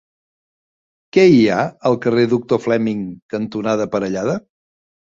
Què hi ha al carrer Doctor Fleming cantonada Parellada?